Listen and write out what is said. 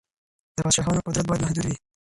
د پادشاهانو قدرت بايد محدود وي.